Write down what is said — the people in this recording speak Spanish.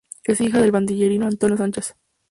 Es hija del banderillero Antonio Sánchez.